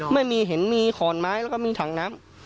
ไม่มีเห็นมีขอนไม้และทางน้ำ